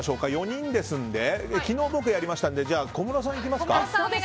４人ですので昨日は僕がやりましたので小室さんいきますか。